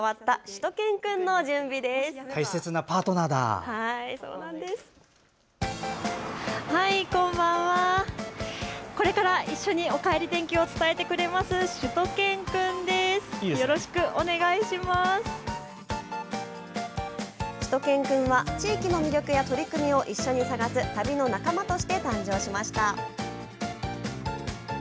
しゅと犬くんは地域の魅力や取り組みを一緒に探す旅の仲間として誕生しました。